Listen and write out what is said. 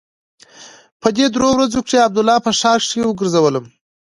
په دې درېو ورځو کښې عبدالله په ښار کښې وګرځولم.